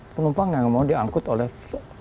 pelompoknya tidak mau diangkut oleh